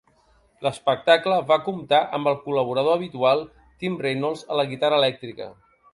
L'espectacle va comptar amb el col·laborador habitual Tim Reynolds a la guitarra elèctrica.